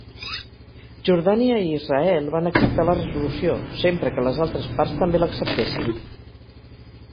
Jordània i Israel van acceptar la resolució, sempre que les altres parts també l'acceptessin.